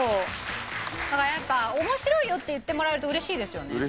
だから面白いよって言ってもらえると嬉しいですよね。